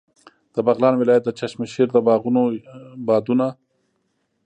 د بغلان ولایت د چشم شیر د باغونو بادونه.